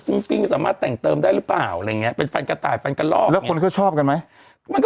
นิดหนึ่งสามารถแต่งเติมได้หรือเปล่าอะไรอย่างเงี้ย